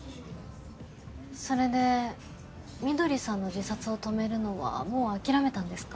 それで翠さんの自殺を止めるのはもう諦めたんですか？